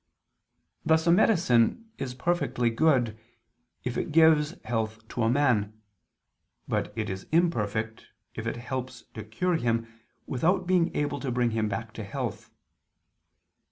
Thus a medicine is perfectly good, if it gives health to a man; but it is imperfect, if it helps to cure him, without being able to bring him back to health.